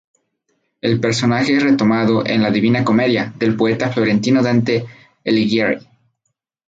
El personaje es retomado en "La Divina Comedia" del poeta florentino Dante Alighieri.